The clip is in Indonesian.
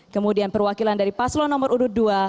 kemudian perwakilan dari paslon nomor urut dua